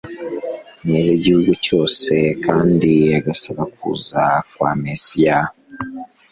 n'iz'igihugu cyose, kandi agasaba kuza kwa Mesiya;